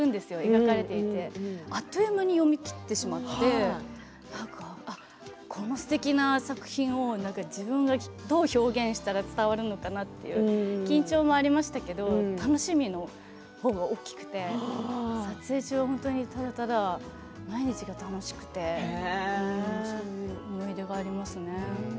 描かれていてあっという間に読み切ってしまってこのすてきな作品を自分がどう表現したら伝わるのかなって緊張もありましたけど楽しみの方が大きくて撮影中は本当にただ、ただ毎日が楽しくてそういう思い出がありますね。